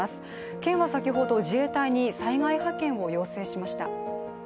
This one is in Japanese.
県は先ほど自衛隊に災害派遣を要請しました。